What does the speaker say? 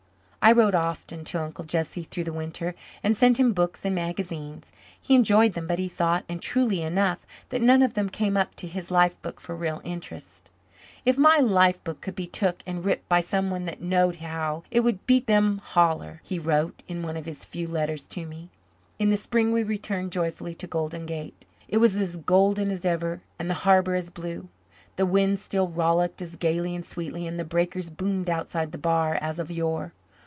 I wrote often to Uncle Jesse through the winter and sent him books and magazines. He enjoyed them but he thought and truly enough that none of them came up to his life book for real interest. "If my life book could be took and writ by someone that knowed how, it would beat them holler," he wrote in one of his few letters to me. In the spring we returned joyfully to Golden Gate. It was as golden as ever and the harbour as blue; the winds still rollicked as gaily and sweetly and the breakers boomed outside the bar as of yore.